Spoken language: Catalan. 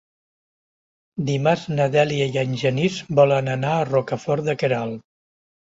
Dimarts na Dèlia i en Genís volen anar a Rocafort de Queralt.